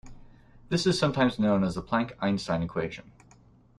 This is sometimes known as the Planck-Einstein equation.